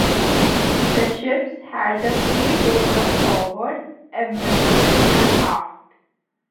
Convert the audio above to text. The ships had a freeboard of forward, amidships, and aft.